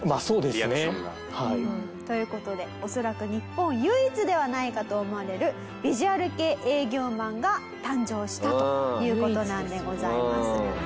リアクションが。という事で恐らく日本唯一ではないかと思われるヴィジュアル系営業マンが誕生したという事なんでございます。